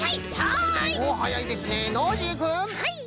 はい。